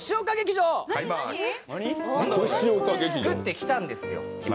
作ってきたんですよ。